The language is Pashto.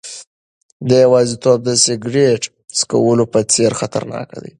یوازیتوب د سیګریټ څکولو په څېر خطرناک دی.